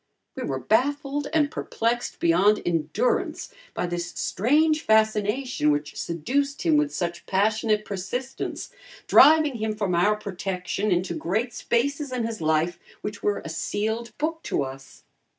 We were baffled and perplexed beyond endurance by this strange fascination which seduced him with such passionate persistence, driving him from our protection into great spaces in his life which were a sealed book to us.